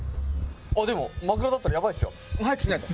でもマグロだったらヤバいっすよ早くしないと。